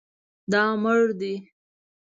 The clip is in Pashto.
دا مړ دی